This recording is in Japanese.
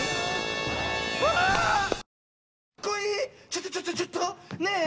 ちょっとちょっとちょっとねえ